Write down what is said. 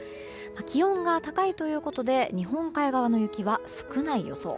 気温が高いということで日本海側の雪は少ない予想。